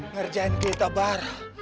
ngerjain kita barah